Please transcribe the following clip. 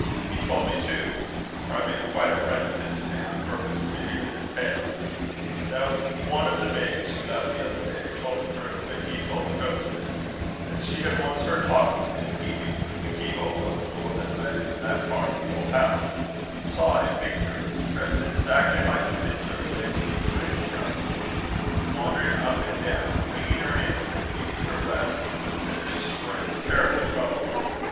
He told me, too (for I made quite a friend of him to day, on purpose to hear his tales), that one of the maids, who left the other day, told the groom and he told the coachman that she had once heard talking; and, peeping through the key hole of a door that led into that part of the old house, saw a figure, dressed exactly like the picture of Lady Euphrasia, wandering up and down, wringing her hands and beating her breast, as if she were in terrible trouble.